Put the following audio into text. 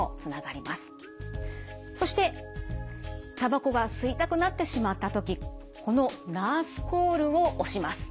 そしてたばこが吸いたくなってしまった時このナースコールを押します。